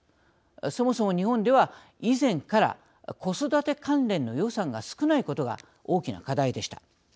そもそも日本では以前から子育て関連の予算が少ないことが大きな課題でした。